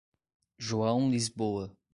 João Lisboa